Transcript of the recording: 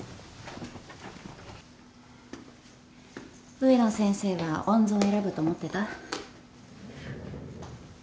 植野先生は温存を選ぶと思ってた？